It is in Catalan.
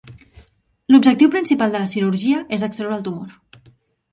L'objectiu principal de la cirurgia és extreure el tumor.